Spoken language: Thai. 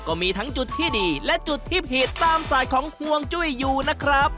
ก็มีทั้งจุดที่ดีและจุดที่ผิดตามสายของห่วงจุ้ยอยู่นะครับ